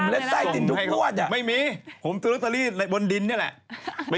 เล่นอย่างเดียว